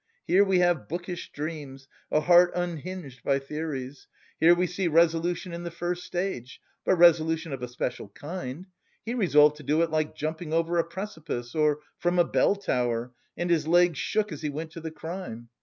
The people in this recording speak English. Here we have bookish dreams, a heart unhinged by theories. Here we see resolution in the first stage, but resolution of a special kind: he resolved to do it like jumping over a precipice or from a bell tower and his legs shook as he went to the crime.